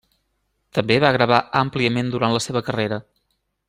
També va gravar àmpliament durant la seva carrera.